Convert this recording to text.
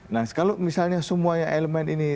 nah kalau misalnya semuanya elemen ini